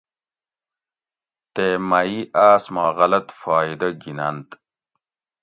تے مہ ئ آس ما غلط فائدہ گھِیننت